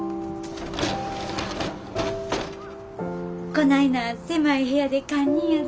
こないな狭い部屋で堪忍やで。